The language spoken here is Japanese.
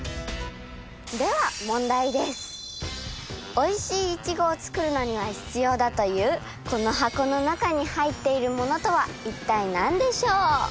おいしいいちごを作るのには必要だというこの箱の中に入っているものとはいったい何でしょう。